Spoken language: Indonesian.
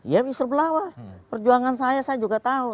ya whistleblower perjuangan saya saya juga tahu